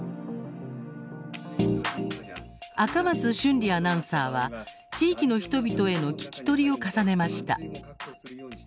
赤松俊理アナウンサーは地域の人々への聞き取りを重ねました。